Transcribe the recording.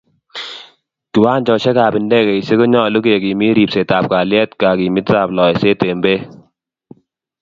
Kiwanjosyekab ndegeisyek konyolu kekimit ribseetab kalyet kakimitetab loiseet eng beek.